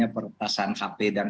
pertasan hp dan